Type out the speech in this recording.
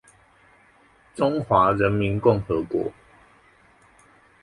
中華人民共和國